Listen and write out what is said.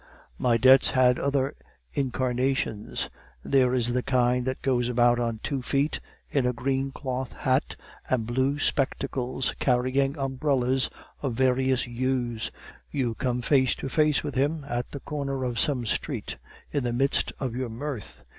"My debts had other incarnations. There is the kind that goes about on two feet, in a green cloth coat, and blue spectacles, carrying umbrellas of various hues; you come face to face with him at the corner of some street, in the midst of your mirth.